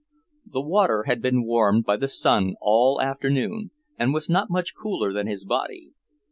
The water had been warmed by the sun all afternoon, and was not much cooler than his body.